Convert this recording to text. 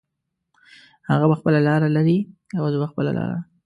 هغه به خپله لار لري او زه به خپله لاره